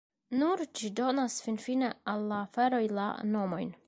Nur ĝi donas finfine al la aferoj la nomojn.